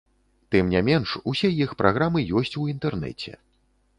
Тым не менш усе іх праграмы ёсць у інтэрнэце.